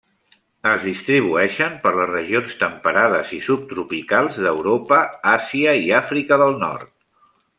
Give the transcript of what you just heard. Es distribueixen per les regions temperades i subtropicals d'Europa, Àsia i Àfrica del Nord.